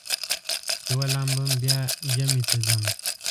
چې ولامبم بیا جمعې ته ځم.